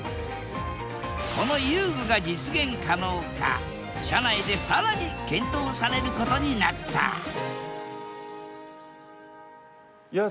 この遊具が実現可能か社内で更に検討されることになったいや